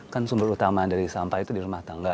kan sumber utama dari sampah itu di rumah tangga